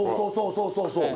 そうそうそう！